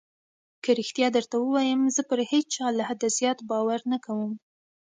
که رښتيا درته ووايم زه پر هېچا له حده زيات باور نه کوم.